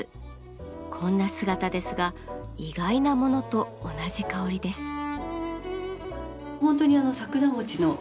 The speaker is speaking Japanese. こんな姿ですが意外なものと同じ香りです。